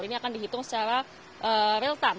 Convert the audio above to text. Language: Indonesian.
ini akan dihitung secara real time